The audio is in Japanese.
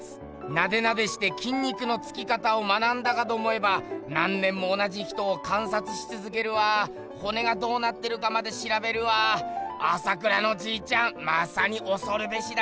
ナデナデして筋肉のつき方を学んだかと思えば何年も同じ人を観察しつづけるわ骨がどうなってるかまでしらべるわ朝倉のじいちゃんまさにおそるべしだなあ。